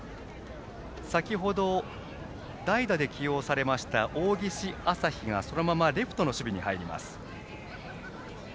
先程、代打で起用されました大岸旭がそのままレフトの守備に入ります。